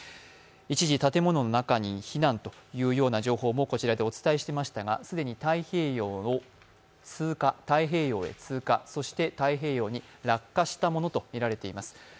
一時、建物の中に避難という情報もこちらでお伝えしましたが、既に太平洋へ通過、そして太平洋に落下したものとみられています。